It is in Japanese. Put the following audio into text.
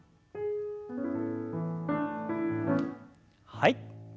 はい。